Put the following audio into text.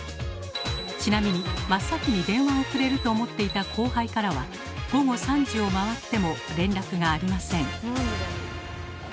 ちなみに真っ先に電話をくれると思っていた後輩からは午後３時を回っても連絡がありません。